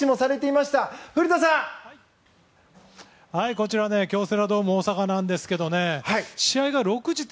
こちらは京セラドーム大阪なんですけど試合が６時って